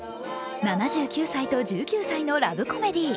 ７９歳と１９歳のラブコメディー。